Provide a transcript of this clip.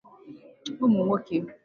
ụmụnwoke